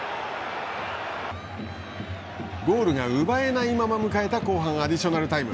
ゴールが奪えないまま迎えた後半アディショナルタイム。